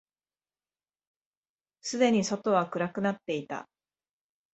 すでに外は暗くなっていた。